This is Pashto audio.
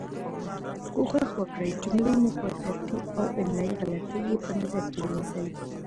کوښښ وکړئ جملې مو په ترتیب او املایي غلطې یي په نظر کې ونیسۍ